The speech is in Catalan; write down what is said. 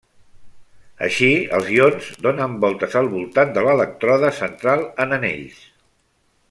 Així els ions donen voltes al voltant de l'elèctrode central en anells.